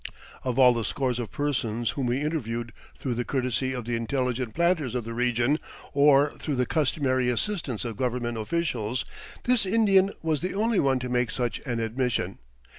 Of all the scores of persons whom we interviewed through the courtesy of the intelligent planters of the region or through the customary assistance of government officials, this Indian was the only one to make such an admission.